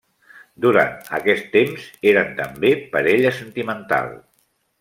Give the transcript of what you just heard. Durant aquest temps, eren també parella sentimental.